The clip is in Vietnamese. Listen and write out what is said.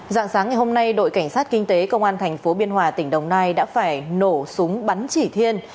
dạng sáng ngày hôm nay đội cảnh sát kinh tế công an thành phố biên hòa tỉnh đồng nai đã phải nổ súng bắn chỉ thiên